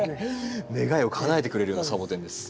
願いをかなえてくれるようなサボテンです。